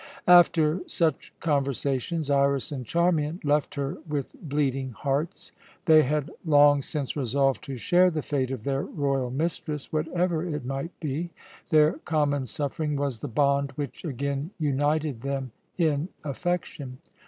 After such conversations Iras and Charmian left her with bleeding hearts. They had long since resolved to share the fate of their royal mistress, whatever it might be. Their common suffering was the bond which again united them in affection.